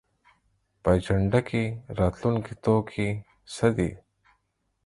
په اجنډا کې راتلونکی توکي څه دي؟